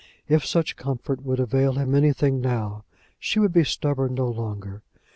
If such comfort would avail him anything now, she would be stubborn no longer.